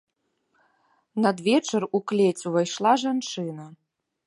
Надвечар у клець увайшла жанчына.